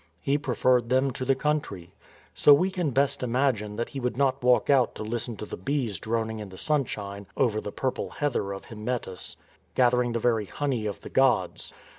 He preferred them to the country. So we can best imagine that he would not walk out to listen to the bees droning in the sunshine over the purple heather of Hymettus, gathering the very " honey of the gods."